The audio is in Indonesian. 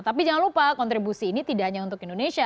tapi jangan lupa kontribusi ini tidak hanya untuk indonesia